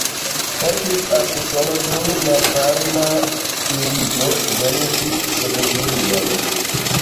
Helpis al Usono dum malvarma milito venki Sovetunion.